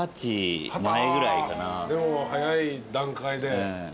でもう早い段階で。